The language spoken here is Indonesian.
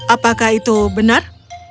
apakah itu benar